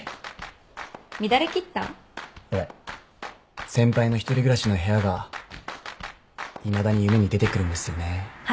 俺先輩の一人暮らしの部屋がいまだに夢に出てくるんですよね。